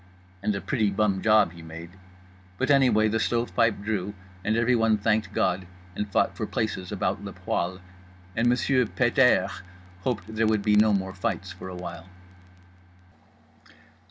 And a pretty bum job he made. But anyway the stove pipe drew; and everyone thanked God and fought for places about le poêle. And Monsieur Pet airs hoped there would be no more fights for a while.